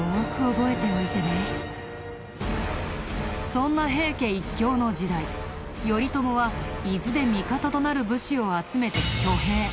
そんな平家一強の時代頼朝は伊豆で味方となる武士を集めて挙兵。